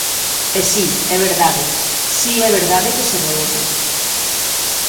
E si é verdade, si é verdade que se reúne.